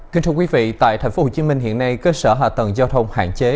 kính thưa quý vị tại tp hcm hiện nay cơ sở hạ tầng giao thông hạn chế